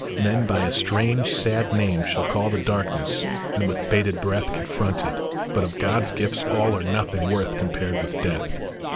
Men by a strange, sad name shall call The darkness, and with bated breath Confront it, but of God s gifts all Are nothing worth compared with death."